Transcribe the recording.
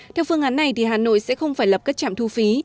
theo phương án này hà nội sẽ không phải lập các trạm thu phí